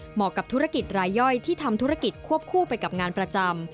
กับธุรกิจรายย่อยที่ทำธุรกิจควบคู่ไปกับงานประจำ